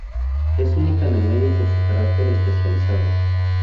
Es única en el medio por su carácter especializado.